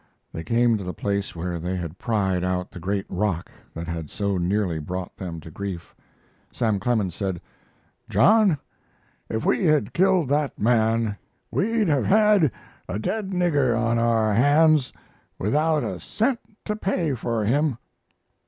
They came to the place where they had pried out the great rock that had so nearly brought them to grief. Sam Clemens said: "John, if we had killed that man we'd have had a dead nigger on our hands without a cent to pay for him."